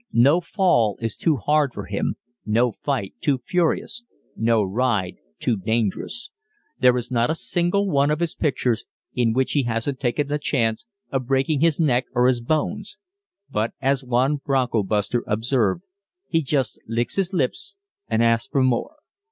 No fall is too hard for him, no fight too furious, no ride too dangerous. There is not a single one of his pictures in which he hasn't taken a chance of breaking his neck or his bones; but, as one bronco buster observed, "He jes' licks his lips an' asks for more."